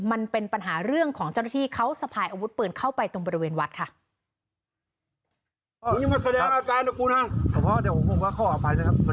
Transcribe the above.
มันเป็นปัญหาเรื่องของเจ้าหน้าที่เขาสะพายอาวุธปืนเข้าไปตรงบริเวณวัดค่ะ